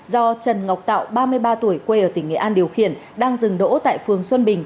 do trần ngọc tạo ba mươi ba tuổi quê ở tỉnh nghệ an điều khiển đang dừng đỗ tại phường xuân bình